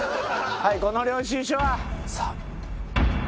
はいこの領収書は。